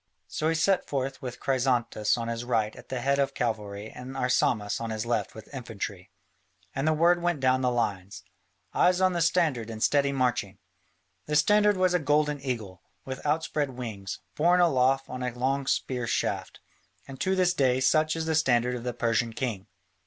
So he set forth with Chrysantas on his right at the head of cavalry and Arsamas on his left with infantry. And the word went down the lines, "Eyes on the standard and steady marching." The standard was a golden eagle, with outspread wings, borne aloft on a long spear shaft, and to this day such is the standard of the Persian king.